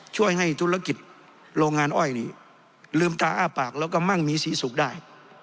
ช่วยให้ธุรกิจโรงงานอ้อยนี่ลืมตาอ้าปากแล้วก็มั่งมีสีสุขได้